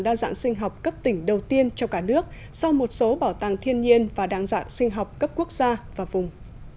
đa dạng sinh học cấp tỉnh đầu tiên trong cả nước sau một số bảo tàng thiên nhiên và đa dạng sinh học cấp quốc gia và vùng